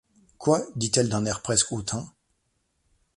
Quoi ? dit-elle d’un air presque hautain.